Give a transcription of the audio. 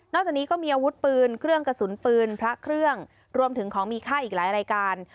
จากนี้ก็มีอาวุธปืนเครื่องกระสุนปืนพระเครื่องรวมถึงของมีค่าอีกหลายรายการ